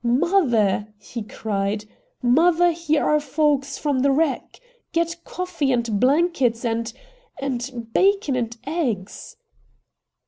"Mother!" he cried, "mother, here are folks from the wreck. Get coffee and blankets and and bacon and eggs!"